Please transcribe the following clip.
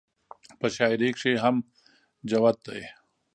پۀ شاعرۍ کښې هم جوت دے -